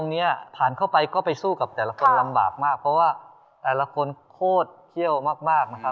เยี่ยมมากนะครับ